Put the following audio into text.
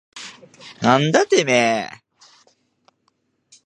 なんだてめえ。